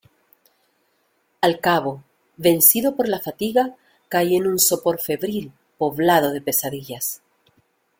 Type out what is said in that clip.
al cabo, vencido por la fatiga , caí en un sopor febril , poblado de pesadillas.